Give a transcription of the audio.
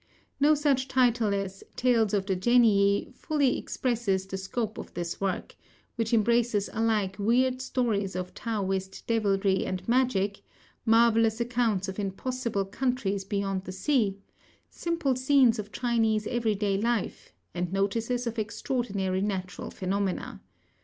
No such title as "Tales of the Genii" fully expresses the scope of this work, which embraces alike weird stories of Taoist devilry and magic, marvellous accounts of impossible countries beyond the sea, simple scenes of Chinese every day life, and notices of extraordinary natural phenomena.